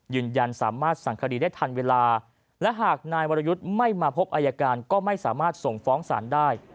ยืนยันสามารถสั่งคดีได้ทันเวลาและหากนายวรยุทธ์ไม่มาพบอายการก็ไม่สามารถส่งฟ้องศาลได้